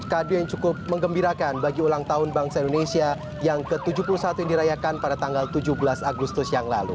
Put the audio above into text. kado yang cukup mengembirakan bagi ulang tahun bangsa indonesia yang ke tujuh puluh satu yang dirayakan pada tanggal tujuh belas agustus yang lalu